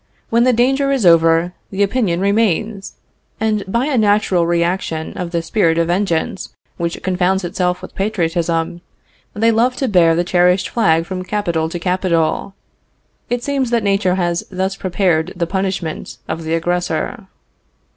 When the danger is over, the opinion remains, and by a natural reaction of that spirit of vengeance which confounds itself with patriotism, they love to bear the cherished flag from capital to capital. It seems that nature has thus prepared the punishment of the aggressor.